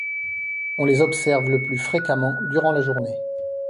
On les observe le plus fréquemment durant la journée.